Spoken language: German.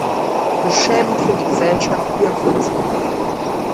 Beschämend für die Gesellschaft, wie auch für das Individuum.